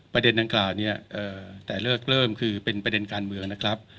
ประเด็นดังกล่าวเนี่ยแต่เลิกเริ่มคือเป็นประเด็นการเมืองนะครับ